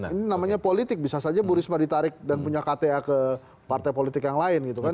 ini namanya politik bisa saja bu risma ditarik dan punya kta ke partai politik yang lain gitu kan